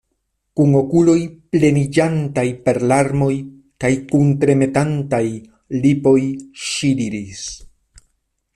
Kun okuloj pleniĝantaj per larmoj kaj kun tremetantaj lipoj ŝi diris: